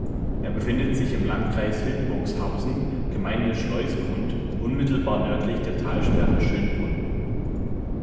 Er befindet sich im Landkreis Hildburghausen, Gemeinde Schleusegrund, unmittelbar nördlich der Talsperre Schönbrunn.